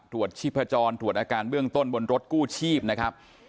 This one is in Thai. ชีพจรตรวจอาการเบื้องต้นบนรถกู้ชีพนะครับ